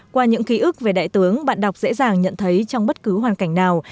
qua những ký ức về đại tướng bạn đọc dễ dàng nhận thấy trong bất cứ hoàn cảnh nào